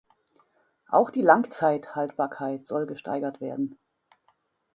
Auch die Langzeit-Haltbarkeit soll gesteigert werden.